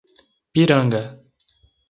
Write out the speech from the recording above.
Piranga